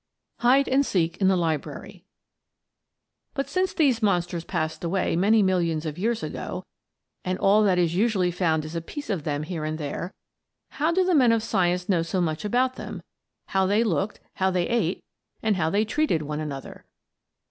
HIDE AND SEEK IN THE LIBRARY "But since these monsters passed away many millions of years ago, and all that is usually found is a piece of them here and there, how do the men of science know so much about them how they looked, and how they ate, and how they treated one another?"